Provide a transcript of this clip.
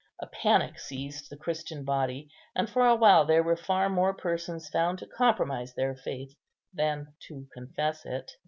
A panic seized the Christian body, and for a while there were far more persons found to compromise their faith than to confess it.